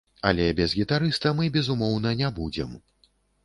Але без гітарыста мы безумоўна не будзем.